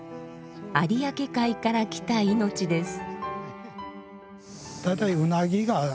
有明海から来た命です。